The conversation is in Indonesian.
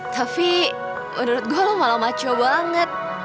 tapi menurut gue lo malah maco banget